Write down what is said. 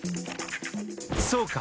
そうか！